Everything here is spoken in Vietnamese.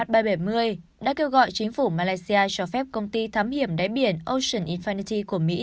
đã kêu gọi chính phủ malaysia cho phép công ty thám hiểm đáy biển ocean infinity của mỹ